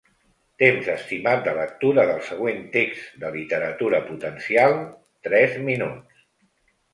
Temps estimat de lectura del següent text de literatura potencial: tres minuts.